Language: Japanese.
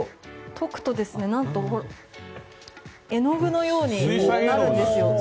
溶くとなんと絵の具のようになるんですよ。